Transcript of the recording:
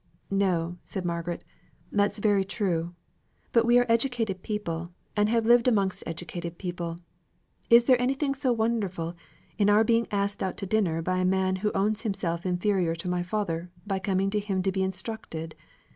"No," said Margaret, "that's very true. But we are educated people, and have lived amongst educated people. Is there anything so wonderful, in our being asked out to dinner by a man who owns himself inferior to my father by coming to him to be instructed?